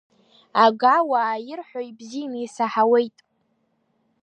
Агауаа ирҳәо ибзианы исаҳауеит.